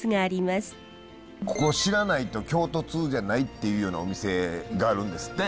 ここ知らないと京都通じゃないっていうようなお店があるんですって。